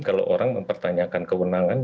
kalau orang mempertanyakan kewenangan